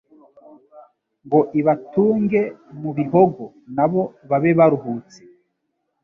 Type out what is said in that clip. Ngo ibatunge mu Bihogo, Na bo babe baruhutse